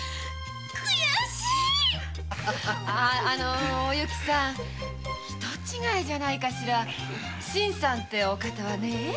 くやしい！ねぇおゆきさん人違いじゃないかしら新さんてお方はねぇ。